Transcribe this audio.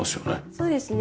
そうですね。